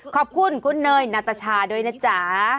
ขอบคุณคุณเนยนาตชาด้วยนะจ๊ะ